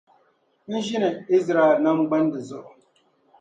n ʒini Izraɛl nam gbandi zuɣu.